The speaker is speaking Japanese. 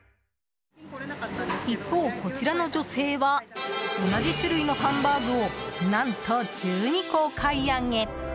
一方こちらの女性は同じ種類のハンバーグを何と１２個お買い上げ！